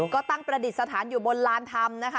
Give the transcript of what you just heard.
ก็ตั้งประดิษฐานอยู่บนลานธรรมนะคะ